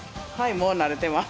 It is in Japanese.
もう慣れてます。